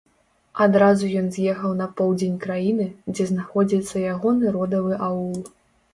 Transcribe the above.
Адразу ён з'ехаў на поўдзень краіны, дзе знаходзіцца ягоны родавы аул.